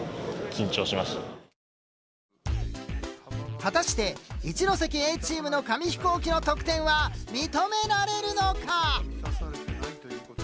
果たして一関Ａチームの紙飛行機の得点は認められるのか？